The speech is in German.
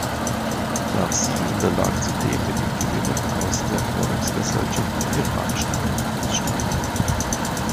D’Arcy unterlag zudem mit den Gewinnen aus der Verwertungsgesellschaft der iranischen Einkommensteuer.